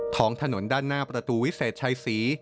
ท้องถนนด้านหน้าประตูวิเศษชัยศรี